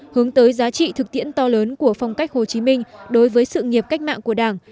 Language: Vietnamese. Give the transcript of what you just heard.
hướng tới giá trị thực tiễn to lớn của phong cách hồ chí minh đối với sự nghiệp cách mạng của đảng